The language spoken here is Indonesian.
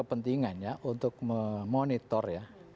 peningkatan untuk memonitor